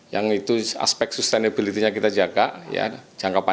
yang itu aspek sustainability nya kita jaga